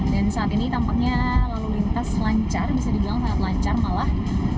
dan saat ini tampaknya lalu lintas lancar bisa dibilang sangat lancar malah